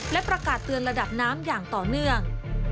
และประกาศเตือนระดับน้ำอย่างต่อเนื่อง